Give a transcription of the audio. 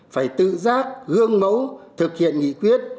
phải tự giác gương mẫu thực hiện nghị quyết